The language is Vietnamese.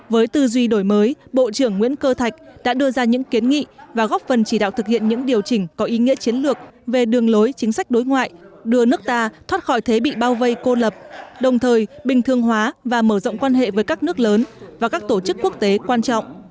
với tư duy đổi mới bộ trưởng nguyễn cơ thạch đã đưa ra những kiến nghị và góp phần chỉ đạo thực hiện những điều chỉnh có ý nghĩa chiến lược về đường lối chính sách đối ngoại đưa nước ta thoát khỏi thế bị bao vây cô lập đồng thời bình thường hóa và mở rộng quan hệ với các nước lớn và các tổ chức quốc tế quan trọng